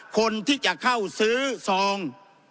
คนที่จะเข้าซื้อซอง